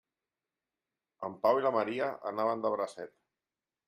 En Pau i la Maria anaven de bracet.